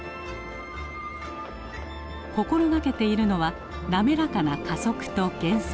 心掛けているのは滑らかな加速と減速。